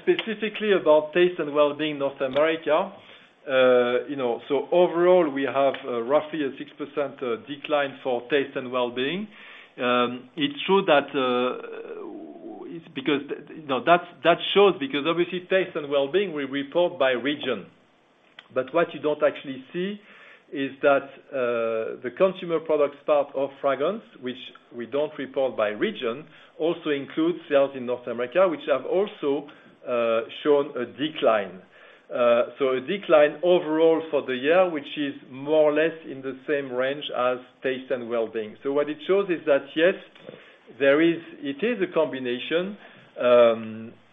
Specifically about Taste & Wellbeing North America, you know, overall we have roughly a 6% decline for Taste & Wellbeing. It's true that shows because obviously Taste & Wellbeing we report by region. What you don't actually see is that the Consumer Products part of Fragrance, which we don't report by region, also includes sales in North America, which have also shown a decline. A decline overall for the year, which is more or less in the same range as Taste & Wellbeing. What it shows is that, yes, there is... It is a combination,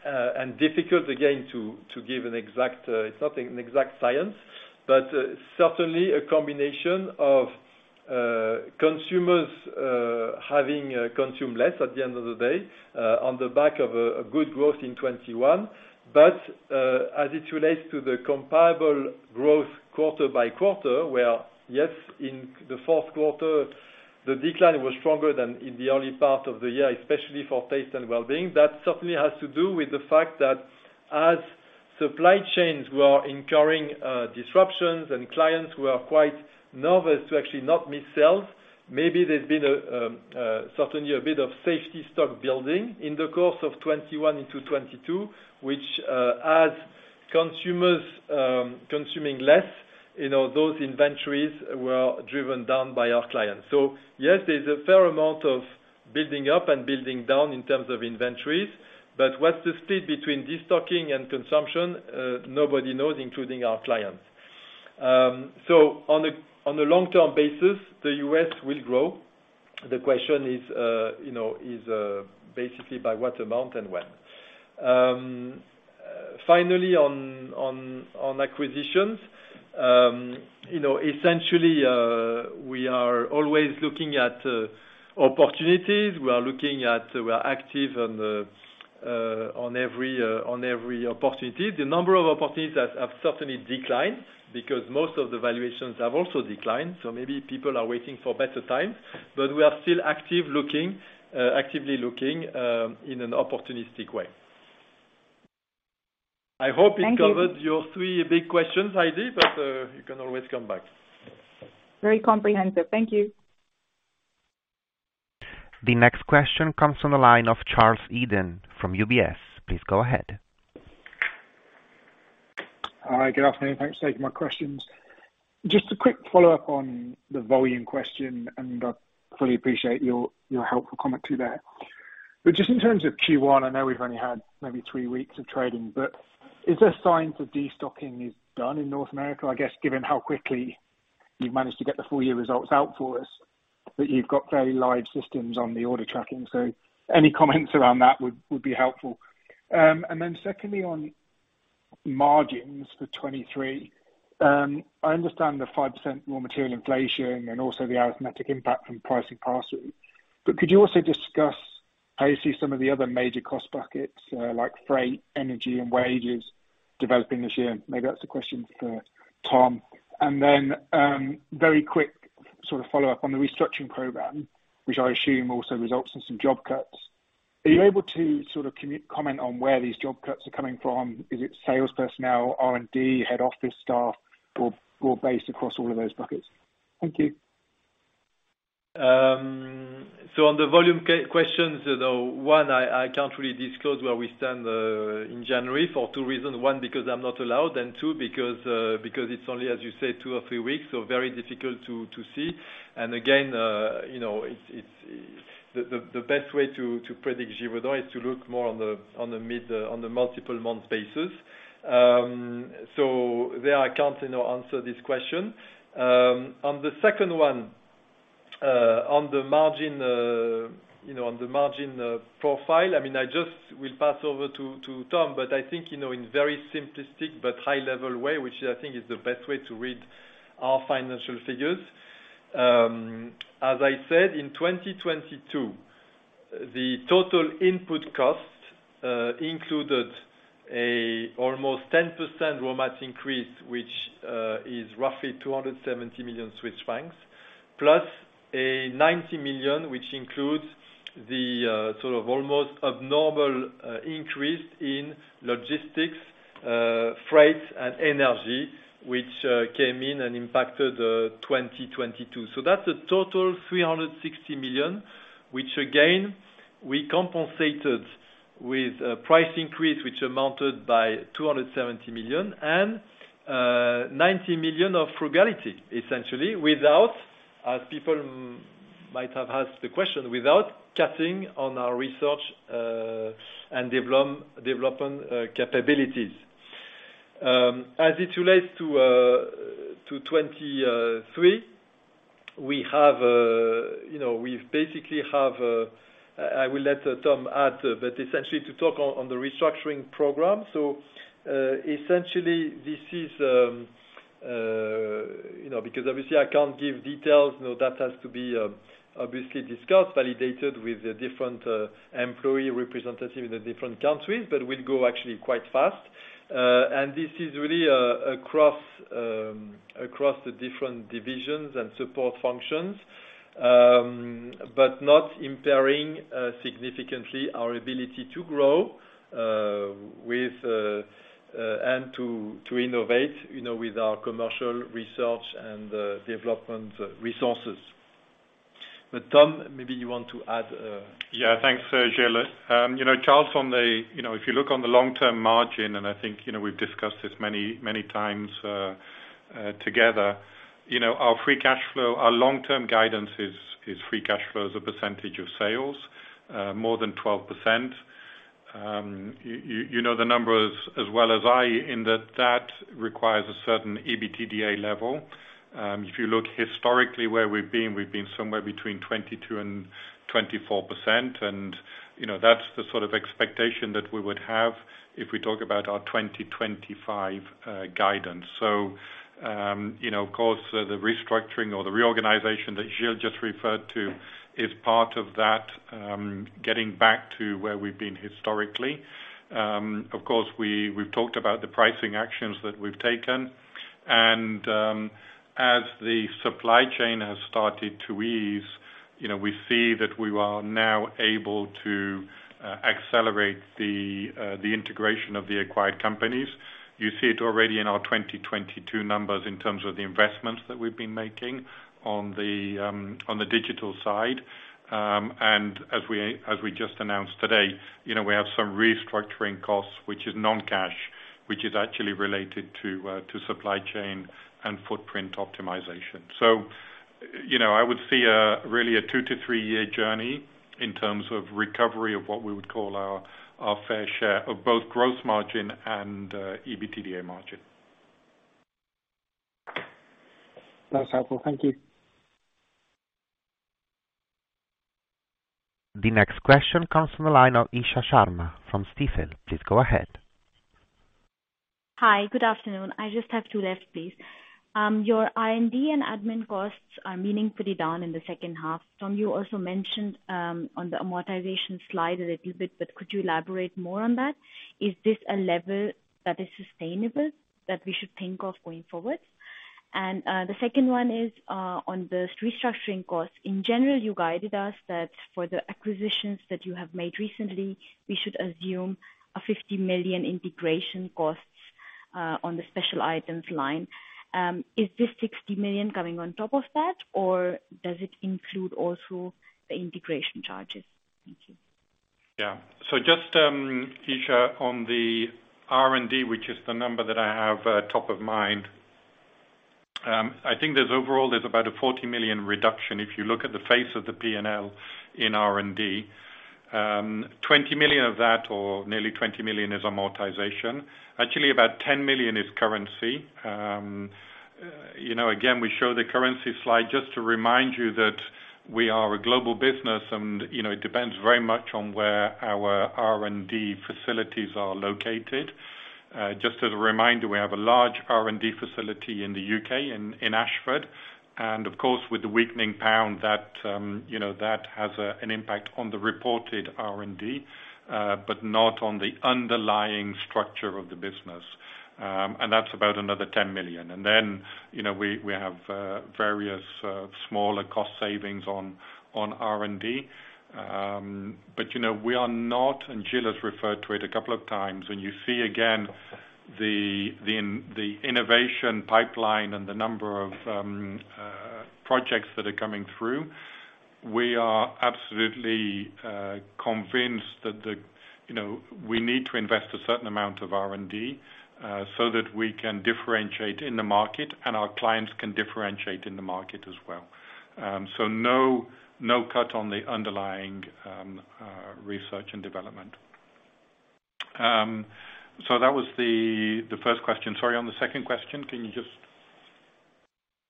and difficult again to give an exact, it's not an exact science, but certainly a combination of consumers having consumed less at the end of the day, on the back of a good growth in 2021. As it relates to the comparable growth quarter by quarter, where, yes, in the fourth quarter the decline was stronger than in the early part of the year, especially for Taste & Wellbeing. That certainly has to do with the fact that as supply chains were incurring disruptions and clients who are quite nervous to actually not miss sales, maybe there's been a certainly a bit of safety stock building in the course of 2021 into 2022, which as consumers consuming less, you know, those inventories were driven down by our clients. Yes, there's a fair amount of building up and building down in terms of inventories. What's the split between destocking and consumption, nobody knows, including our clients. On a long-term basis, the U.S. will grow. The question is, you know, is basically by what amount and when. Finally, on acquisitions, you know, essentially, we are always looking at opportunities. We are looking at, we are active on every opportunity. The number of opportunities have certainly declined because most of the valuations have also declined. Maybe people are waiting for better times. We are still active looking, actively looking, in an opportunistic way. I hope it covered your three big questions, Heidi. You can always come back. Very comprehensive. Thank you. The next question comes from the line of Charles Eden from UBS. Please go ahead. Hi. Good afternoon. Thanks for taking my questions. Just a quick follow-up on the volume question, and I fully appreciate your helpful comment to that. Just in terms of Q1, I know we've only had maybe 3 weeks of trading, but is there a sign for destocking is done in North America? I guess, given how quickly you've managed to get the full year results out for us, that you've got very live systems on the order tracking. Any comments around that would be helpful. Then secondly, on margins for 2023, I understand the 5% raw material inflation and also the arithmetic impact from pricing passes. Could you also discuss how you see some of the other major cost buckets, like freight, energy and wages developing this year? Maybe that's a question for Tom. Then, very quick sort of follow-up on the restructuring program, which I assume also results in some job cuts. Are you able to sort of comment on where these job cuts are coming from? Is it sales personnel, R&D, head office staff or broad-based across all of those buckets? Thank you. On the volume questions, you know, one, I can't really disclose where we stand in January for two reasons. One, because I'm not allowed, two, because it's only, as you say, two or three weeks, so very difficult to see. Again, you know, it's the best way to predict Givaudan is to look more on the multiple month basis. There I can't, you know, answer this question. On the second one, on the margin, you know, on the margin profile, I mean, I just will pass over to Tom, but I think, you know, in very simplistic but high level way, which I think is the best way to read our financial figures. As I said, in 2022, the total input costs included almost a 10% raw mat increase, which is roughly 270 million Swiss francs, plus 90 million, which includes the sort of almost abnormal increase in logistics, freight and energy, which came in and impacted 2022. That's a total 360 million, which again, we compensated with a price increase which amounted by 270 million and 90 million of frugality, essentially, without, as people might have asked the question, without cutting on our research and development capabilities. As it relates to 2023, we have, you know, we basically have... I will let Tom add, but essentially to talk on the restructuring program. Essentially this is, you know, because obviously I can't give details. No data has to be obviously discussed, validated with the different employee representatives in the different countries. We'll go actually quite fast. And this is really across the different divisions and support functions, but not impairing significantly our ability to grow with and to innovate, you know, with our commercial research and development resources. Tom, maybe you want to add. Yeah, thanks, Gilles. You know, Charles, if you look on the long-term margin, and I think, you know, we've discussed this many, many times together. You know, our free cash flow, our long-term guidance is free cash flow as a percentage of sales, more than 12%. You know, the numbers as well as I in that requires a certain EBITDA level. If you look historically where we've been, we've been somewhere between 22% and 24%. You know, that's the sort of expectation that we would have if we talk about our 2025 guidance. You know, of course, the restructuring or the reorganization that Gilles just referred to is part of that, getting back to where we've been historically. Of course, we've talked about the pricing actions that we've taken. As the supply chain has started to ease, you know, we see that we are now able to accelerate the integration of the acquired companies. You see it already in our 2022 numbers in terms of the investments that we've been making on the digital side. As we just announced today, you know, we have some restructuring costs, which is non-cash, which is actually related to supply chain and footprint optimization. You know, I would see a really a two to three year journey in terms of recovery of what we would call our fair share of both gross margin and EBITDA margin. That's helpful. Thank you. The next question comes from the line of Isha Sharma from Stifel. Please go ahead. Hi, good afternoon. I just have two left, please. Your R&D and admin costs are meaningfully down in the second half. Tom, you also mentioned on the amortization slide a little bit, could you elaborate more on that? Is this a level that is sustainable, that we should think of going forward? The second one is on the restructuring costs. In general, you guided us that for the acquisitions that you have made recently, we should assume a 50 million integration costs on the special items line. Is this 60 million coming on top of that, or does it include also the integration charges? Thank you. Just Isha, on the R&D, which is the number that I have top-of-mind, I think there's overall there's about a 40 million reduction if you look at the face of the P&L in R&D. 20 million of that or nearly 20 million is amortization. Actually, about 10 million is currency. You know, again, we show the currency slide just to remind you that we are a global business and, you know, it depends very much on where our R&D facilities are located. Just as a reminder, we have a large R&D facility in the U.K. in Ashford, and of course, with the weakening pound that, you know that has an impact on the reported R&D, but not on the underlying structure of the business. That's about another 10 million. You know, we have various smaller cost savings on R&D. You know, we are not, and Gilles referred to it a couple of times, when you see again the innovation pipeline and the number of projects that are coming through, we are absolutely convinced that, you know, we need to invest a certain amount of R&D, so that we can differentiate in the market and our clients can differentiate in the market as well. No, no cut on the underlying research and development. That was the first question. Sorry, on the second question, can you just?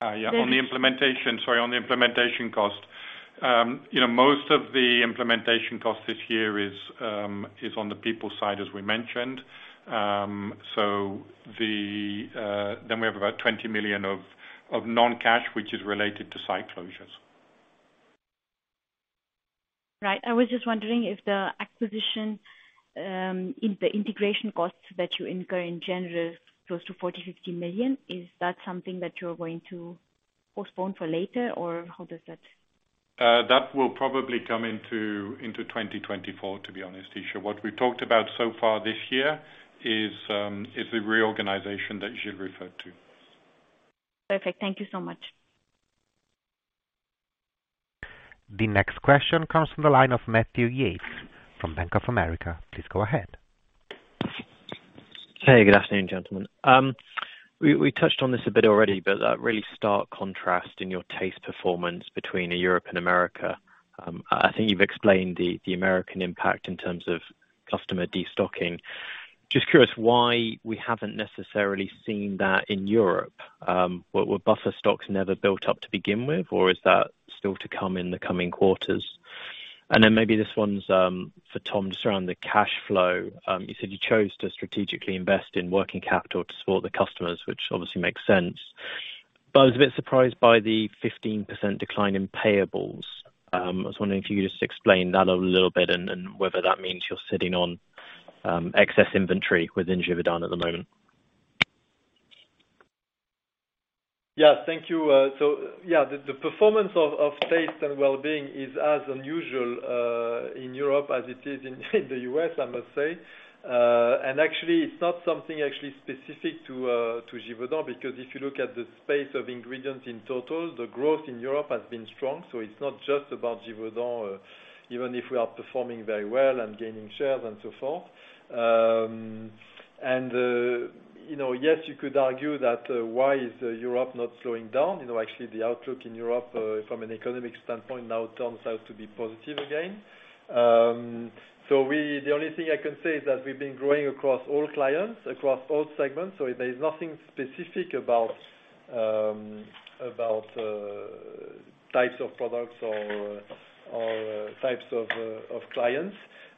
Yeah. The- On the implementation, sorry, on the implementation cost. you know, most of the implementation cost this year is on the people side, as we mentioned. We have about 20 million of non-cash, which is related to site closures. Right. I was just wondering if the acquisition, if the integration costs that you incur in general is close to 40 million–50 million, is that something that you're going to postpone for later or how does that? That will probably come into 2024, to be honest, Isha. What we've talked about so far this year is the reorganization that Gilles referred to. Perfect. Thank you so much. The next question comes from the line of Matthew Yates from Bank of America. Please go ahead. Hey, good afternoon, gentlemen. We touched on this a bit already, but that really stark contrast in your taste performance between Europe and America. I think you've explained the American impact in terms of customer destocking. Just curious why we haven't necessarily seen that in Europe. Were buffer stocks never built up to begin with, or is that still to come in the coming quarters? Maybe this one's for Tom Hallam, just around the cash flow. You said you chose to strategically invest in working capital to support the customers, which obviously makes sense. I was a bit surprised by the 15% decline in payables. I was wondering if you could just explain that a little bit and whether that means you're sitting on excess inventory within Givaudan at the moment. Yeah. Thank you. Yeah, the performance of Taste & Wellbeing is as unusual in Europe as it is in the U.S., I must say. Actually, it's not something actually specific to Givaudan, because if you look at the space of ingredients in total, the growth in Europe has been strong. It's not just about Givaudan, even if we are performing very well and gaining shares and so forth. You know, yes, you could argue that why is Europe not slowing down? You know, actually the outlook in Europe from an economic standpoint now turns out to be positive again. The only thing I can say is that we've been growing across all clients, across all segments, so there's nothing specific about types of products or types of clients.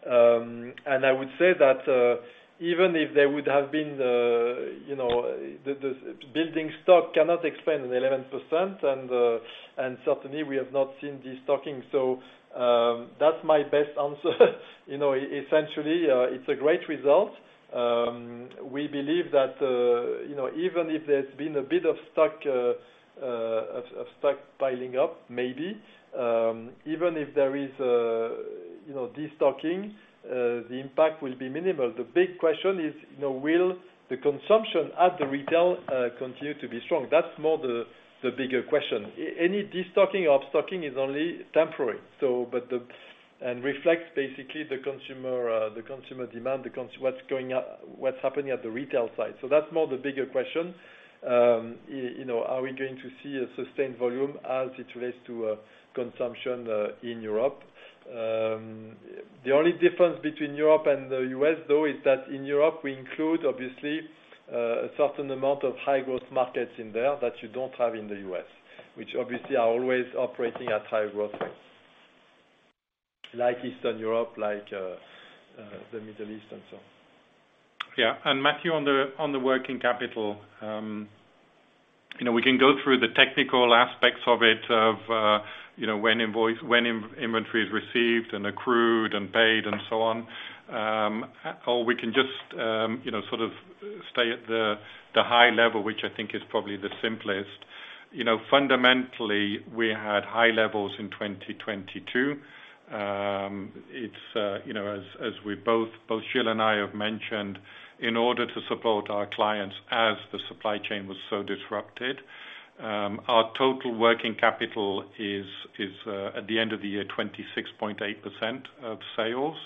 I would say that even if there would have been, you know, the building stock cannot explain 11% and certainly we have not seen destocking. That's my best answer. You know, essentially, it's a great result. We believe that, you know, even if there's been a bit of stockpiling up, maybe, even if there is, you know, destocking, the impact will be minimal. The big question is, you know, will the consumption at the retail continue to be strong? That's more the bigger question. Any destocking or stocking is only temporary. Reflects basically the consumer demand, what's going up, what's happening at the retail side. That's more the bigger question. You know, are we going to see a sustained volume as it relates to consumption in Europe? The only difference between Europe and the U.S., though, is that in Europe, we include obviously a certain amount of high growth markets in there that you don't have in the U.S., which obviously are always operating at high growth rates, like Eastern Europe, like the Middle East and so on. Yeah. Matthew, on the working capital, you know, we can go through the technical aspects of it, of. You know, when inventory is received and accrued and paid and so on. We can just, you know, sort of stay at the high level, which I think is probably the simplest. You know, fundamentally, we had high levels in 2022. It's, you know, as we both Gilles and I have mentioned, in order to support our clients as the supply chain was so disrupted, our total working capital is at the end of the year, 26.8% of sales.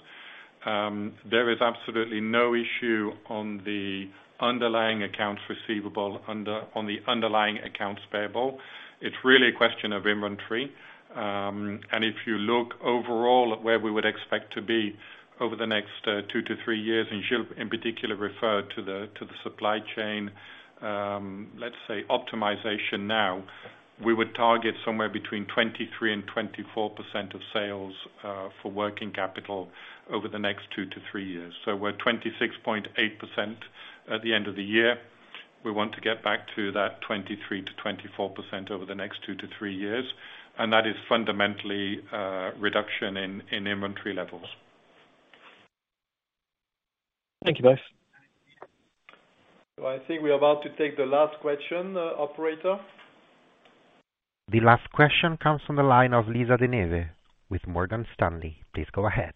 There is absolutely no issue on the underlying accounts receivable on the underlying accounts payable. It's really a question of inventory. If you look overall at where we would expect to be over the next two to three years, Gilles, in particular, referred to the, to the supply chain, let's say optimization now. We would target somewhere between 23% and 24% of sales for working capital over the next two to three years. We're at 26.8% at the end of the year. We want to get back to that 23%–24% over the next two to three years, that is fundamentally, reduction in inventory levels. Thank you, guys. I think we're about to take the last question, operator. The last question comes from the line of Lisa De Neve with Morgan Stanley. Please go ahead.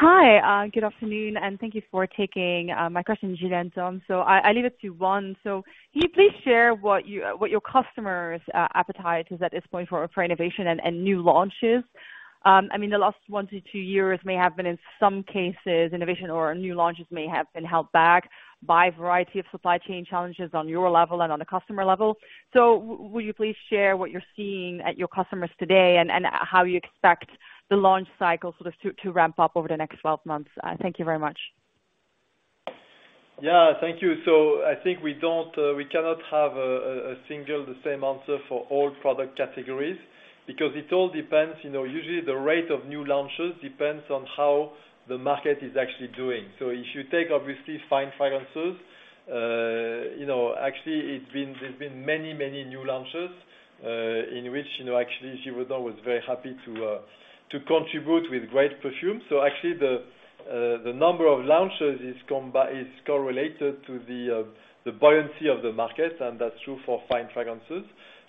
Hi, good afternoon, and thank you for taking my question, Gilles and Tom. I leave it to one. Can you please share what your customers' appetite is at this point for innovation and new launches? I mean, the last one to two years may have been, in some cases, innovation or new launches may have been held back by a variety of supply chain challenges on your level and on the customer level. Will you please share what you're seeing at your customers today and how you expect the launch cycle sort of to ramp up over the next 12 months? Thank you very much. Thank you. I think we cannot have a single the same answer for all product categories because it all depends. You know, usually the rate of new launches depends on how the market is actually doing. If you take obviously Fine Fragrances, you know, actually there's been many, many new launches in which, you know, actually, Givaudan was very happy to contribute with great perfume. Actually the number of launches is correlated to the buoyancy of the market, and that's true for Fine Fragrances.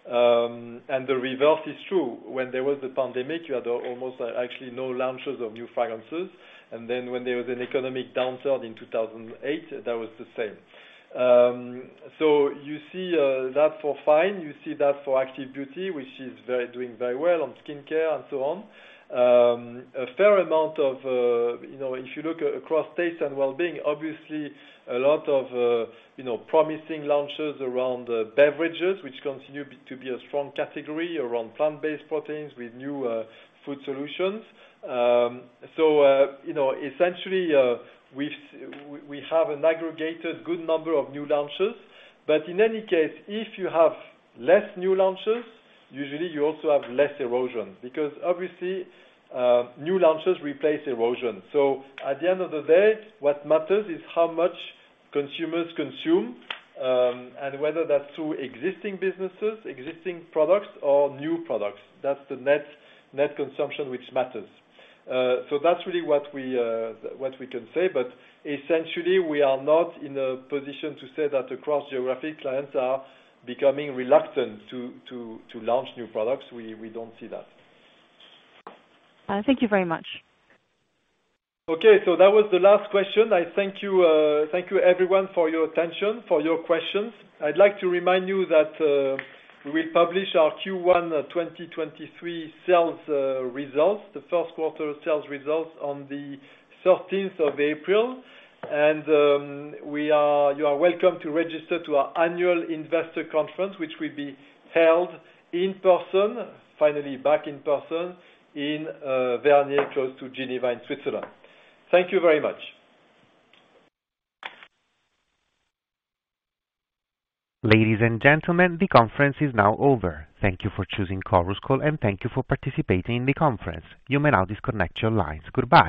And the reverse is true. When there was the pandemic, you had almost actually no launches of new fragrances. When there was an economic downturn in 2008, that was the same. You see that for fine. You see that for Active Beauty, which is very doing very well on skincare and so on. A fair amount of, you know, if you look across Taste & Wellbeing, obviously a lot of, you know, promising launches around beverages, which continue to be a strong category, around plant-based proteins with new food solutions. You know, essentially, we have an aggregated good number of new launches. In any case, if you have less new launches, usually you also have less erosion, because obviously, new launches replace erosion. At the end of the day, what matters is how much consumers consume, and whether that's through existing businesses, existing products or new products. That's the net consumption which matters. That's really what we can say. Essentially, we are not in a position to say that across geographic clients are becoming reluctant to launch new products. We don't see that. Thank you very much. Okay, that was the last question. I thank you. Thank you everyone for your attention, for your questions. I'd like to remind you that we publish our Q1 2023 sales results, the first quarter sales results on the 13th of April. You are welcome to register to our annual investor conference, which will be held in-person, finally back in-person in Vernier, close to Geneva in Switzerland. Thank you very much. Ladies and gentlemen, the conference is now over. Thank you for choosing Chorus Call, and thank you for participating in the conference. You may now disconnect your lines. Goodbye.